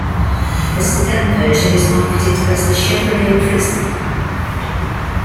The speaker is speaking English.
A sedan version is marketed as the Chevrolet Prisma.